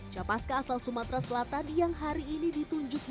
capaska asal sumatera selatan yang hari ini ditunjuk